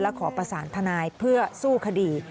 ขอประสานทนายเพื่อสู้คดี